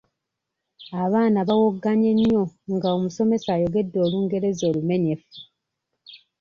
Abaana bawoggannye nnyo nga omusomesa ayogedde Olungereza olumenyefu.